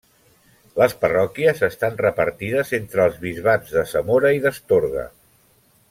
Les parròquies estan repartides entre els bisbats de Zamora i d'Astorga.